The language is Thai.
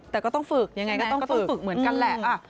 แต่ก็ต้องฝึกยังไงก็ต้องฝึกเหมือนกันแหละ